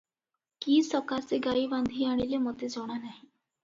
କି ସକାଶେ ଗାଈ ବାନ୍ଧିଆଣିଲେ ମୋତେ ଜଣାନାହିଁ ।